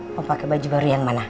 mau pakai baju baru yang mana